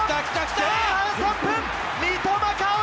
前半３分、三笘薫！